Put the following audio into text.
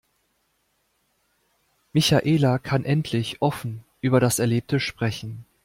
Michaela kann endlich offen über das Erlebte sprechen.